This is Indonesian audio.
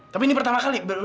tapi ini pertama kali